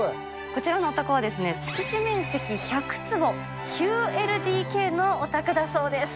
こちらのお宅は敷地面積１００坪、９ＬＤＫのお宅だそうです。